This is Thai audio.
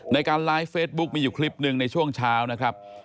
ในการไลฟ์เฟซบุ๊คมีอยู่คลิปหนึ่งในช่วงเช้านะครับ